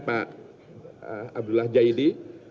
pak abdullah jaidi